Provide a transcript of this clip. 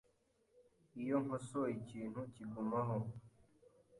Iyo nkosoye ikintu, kigumaho.